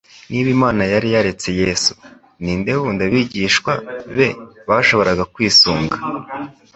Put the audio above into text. Niba Imana yari yaretse Yesu, ni nde wundi abigishwa be bashoboraga kwisunga?